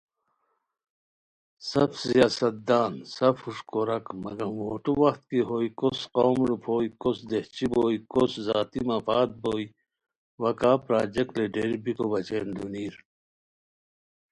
سف سیاست دان، سف ہوݰ کوراک مگم ووٹو وخت کی ہوئے کوس قوم روپھوئے، کوس دیہچی بوئے، کوس ذاتی مفاد بوئے، وا کا پراجیکٹ لیڈر بیکو بچین دونیر